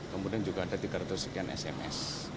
kemudian juga ada tiga ratus sekian sms